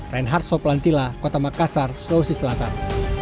reinhardt soplantilla kota makassar sulawesi selatan